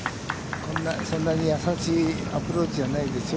そんなに易しいアプローチじゃないですよ。